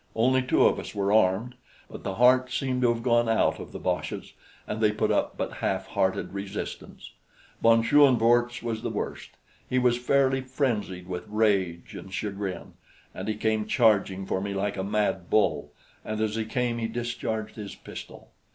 Only two of us were armed; but the heart seemed to have gone out of the boches, and they put up but half hearted resistance. Von Schoenvorts was the worst he was fairly frenzied with rage and chagrin, and he came charging for me like a mad bull, and as he came he discharged his pistol.